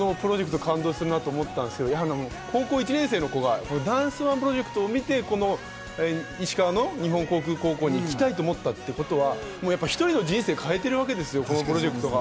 松田さん、どうで感動すると思ったんですけど高校１年生の子がダンスＯＮＥプロジェクトを見てこの石川の日本航空高校に行きたいと思ったということは、一人の人生を変えているわけですよ、このプロジェクトが。